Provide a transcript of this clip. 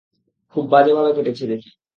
খুব বাজেভাবে কেটেছে দেখি।